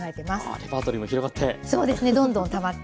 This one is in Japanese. レパートリーも広がって。